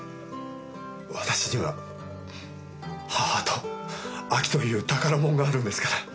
私には母とアキという宝物があるんですから。